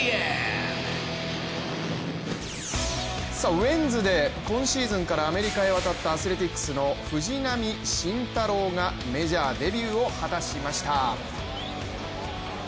ウェンズデー、今シーズンからアメリカに渡ったアスレチックスの藤浪晋太郎がメジャーデビューを果たしました。